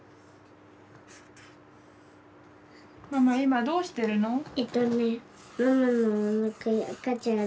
ママ今どうしてるの？